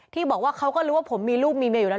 ที่บอกว่าเขาก็รู้ว่าผมมีลูกมีเมียอยู่แล้ว